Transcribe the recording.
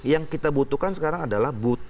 yang kita butuhkan sekarang adalah